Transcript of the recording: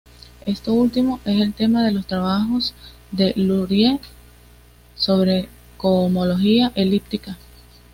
Esto último es el tema de los trabajos de Lurie sobre cohomología elíptica.